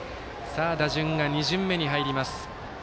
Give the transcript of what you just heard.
打順が２巡目に入ります。